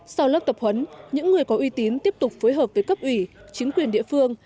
sau lớp tập huấn những người có uy tín tiếp tục phối hợp với cấp ủy chính quyền địa phương